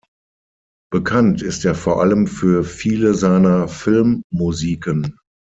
Bekannt ist er vor allem für viele seiner Filmmusiken.